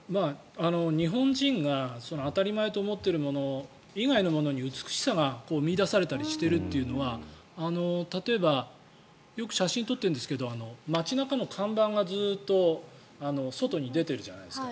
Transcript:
日本人が当たり前と思っているもの以外のものに美しさが見いだされたりしているというのは例えば、よく写真を撮っているんですけど街中の看板がずっと外に出てるじゃないですか。